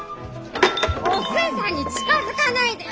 お寿恵さんに近づかないで！